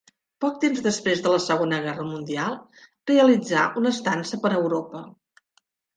Poc temps després de la segona guerra mundial realitzà una estança per Europa.